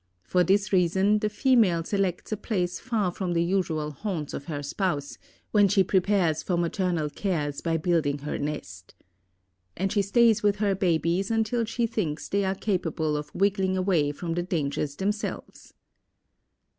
For this reason the female selects a place far from the usual haunts of her spouse when she prepares for maternal cares by building her nest. And she stays with her babies until she thinks they are capable of wiggling away from dangers themselves.